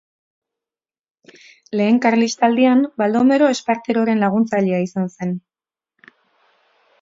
Lehen Karlistaldian, Baldomero Esparteroren laguntzailea izan zen.